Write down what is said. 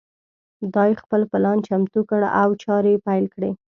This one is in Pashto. دای خپل پلان چمتو کړ او چارې پیل کړې.